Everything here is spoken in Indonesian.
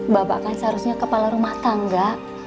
bapak kan seharusnya kepala rumah tangga